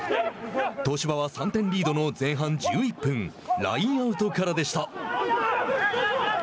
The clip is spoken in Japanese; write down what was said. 東芝は３点リードの前半１１分ラインアウトからでした。